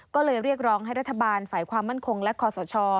ก็เลยเรียกร้องให้รัฐบาลฝ่ายความมั่นคงและคอสช